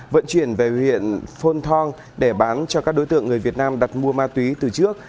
vận chuyển về huyện phôn thong để bán cho các đối tượng người việt nam đặt mua ma túy từ trước